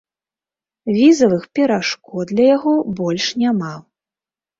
Візавых перашкод для яго больш няма.